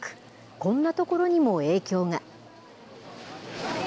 こんなところにも影響が。